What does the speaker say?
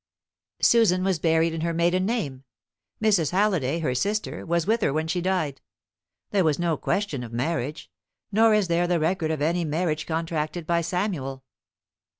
"Susan was buried in her maiden name. Mrs. Halliday, her sister, was with her when she died. There was no question of marriage; nor is there the record of any marriage contracted by Samuel."